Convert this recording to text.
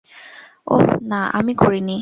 ওহ, না, আমি করিনি।